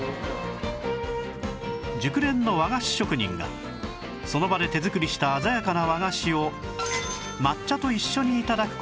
熟練の和菓子職人がその場で手作りした鮮やかな和菓子を抹茶と一緒に頂く事ができるんです